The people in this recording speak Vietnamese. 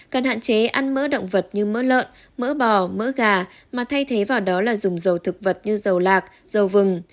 cần hạn chế ăn mỡ động vật như mỡ lợn mỡ bò mỡ gà mà thay thế vào đó là dùng dầu thực vật như dầu lạc dầu vừng